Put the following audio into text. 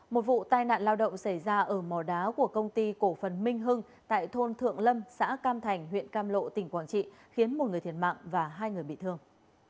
một vụ tai nạn lao động xảy ra ở mò đá của công ty cổ phần minh hưng tại thôn thượng lâm xã cam thành huyện cam lộ tỉnh quảng trị khiến một người thiệt mạng và hai người bị thương